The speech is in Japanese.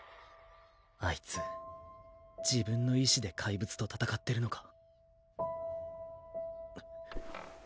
あいつ自分の意思で怪物と戦ってるのか？